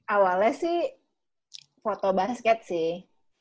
awalnya sih foto basket sih